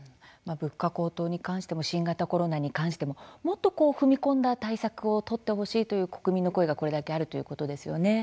物価高騰に関しても新型コロナに関してももっと踏み込んだ対策を取ってほしいという国民の声がこれだけあるということですよね。